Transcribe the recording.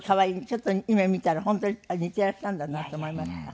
ちょっと今見たら本当に似てらっしゃるんだなと思いました。